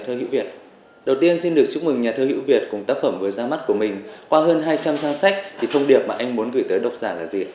thông điệp mà anh muốn gửi tới đọc giả là gì